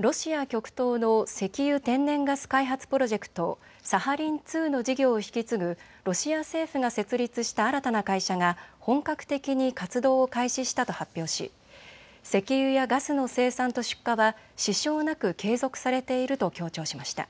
ロシア極東の石油・天然ガス開発プロジェクト、サハリン２の事業を引き継ぐロシア政府が設立した新たな会社が本格的に活動を開始したと発表し、石油やガスの生産と出荷は支障なく継続されていると強調しました。